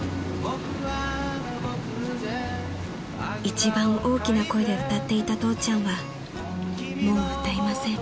［一番大きな声で歌っていた父ちゃんはもう歌いません］